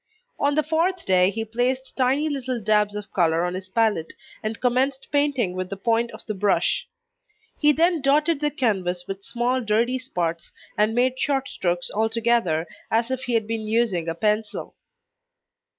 On the fourth day, he placed tiny little dabs of colour on his palette, and commenced painting with the point of the brush; he then dotted the canvas with small dirty spots, and made short strokes altogether as if he had been using a pencil.